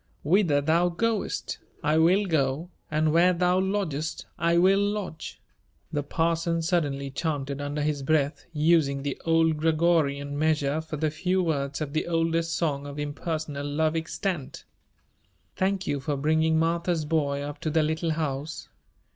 "'Whither thou goest, I will go, and where thou lodgest I will lodge '" the parson suddenly chanted under his breath, using the old Gregorian measure for the few words of the oldest song of impersonal love extant. "Thank you for bringing Martha's boy up to the Little House.